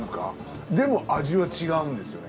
でも味は違うんですよね。